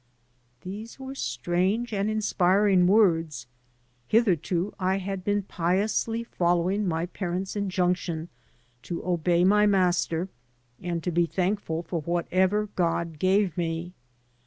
These were strange and inspiring words. Hitherto I had been piously following my parents' injunction to obey my master and to be thankful for whatever God gave me.